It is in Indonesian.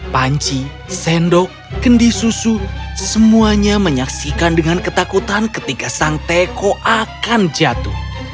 panci sendok kendi susu semuanya menyaksikan dengan ketakutan ketika sang teko akan jatuh